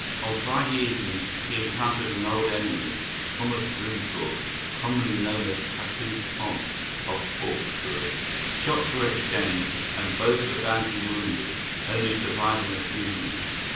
On Friday evening he encountered an old enemy, Thomas Grimthorpe, commonly known as Tattooed Tom, of Hawkesbury. "Shots were exchanged, and both were badly wounded, only surviving a few minutes.